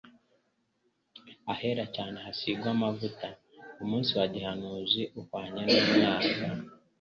ahera cyane hasigwe amavuta." Umunsi wa gihanuzi uhwanye n'umwaka'."